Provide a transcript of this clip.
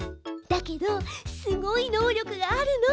だけどすごい能力があるの。